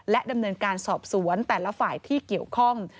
ดำเนินการสอบสวนแต่ละฝ่ายที่เกี่ยวข้อง